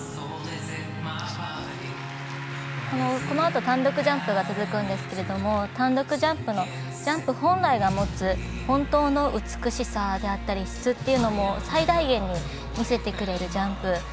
このあと単独ジャンプが続きますが単独ジャンプのジャンプ本来が持つ本当の美しさであったり質っていうのも最大限に見せてくれるジャンプ。